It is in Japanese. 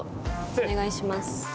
お願いします。